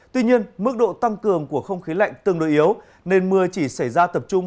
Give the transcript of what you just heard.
tuy nhiên mức độ tăng cường của không khí lạnh tương đối yếu nên mưa chỉ xảy ra tập trung